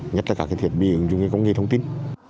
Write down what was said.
nhất là các thiết bị ứng dụng công nghệ thông tin